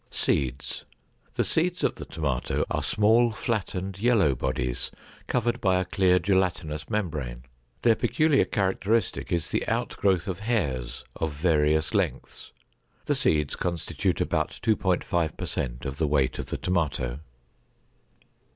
=Seeds.= The seeds of the tomato are small, flattened, yellow bodies covered by a clear gelatinous membrane. Their peculiar characteristic is the out growth of hairs of varying lengths. The seeds constitute about 2.5 per cent of the weight of the tomato.